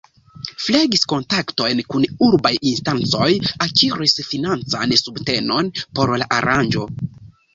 Flegis kontaktojn kun urbaj instancoj, akiris financan subtenon por la aranĝo.